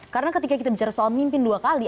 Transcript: karena ketika kita bicara soal mimpin dua kali